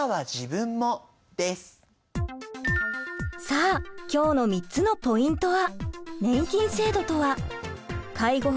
さあ今日の３つのポイントは。